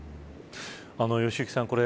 良幸さん